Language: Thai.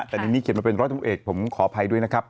แต่ในนี้เขียนมาเป็นร้อยตำรวจเอกผมขออภัยด้วยนะครับ